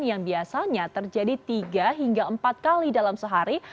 yang biasanya terjadi tiga hingga empat kali dalam sehari